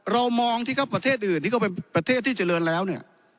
เรามองที่ครับประเทศอื่นที่ก็เป็นประเทศที่เจริญแล้วเนี่ย